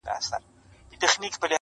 باران دی، وريځ ده ستا سترگي پټې~